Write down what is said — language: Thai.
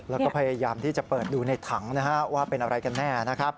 แล้วก็พยายามที่จะเปิดดูในถังว่าเป็นอะไรกันแน่นะครับ